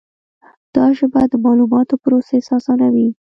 دا ژبه د معلوماتو پروسس آسانوي.